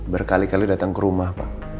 berkali kali datang ke rumah pak